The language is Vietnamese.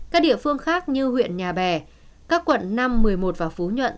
các địa phương khác như huyện nhà bè các quận năm một mươi một và phú nhuận